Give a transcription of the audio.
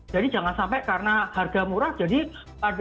jadi jangan sampai karena harga murah jadi sdm nya dikurangi jumlahnya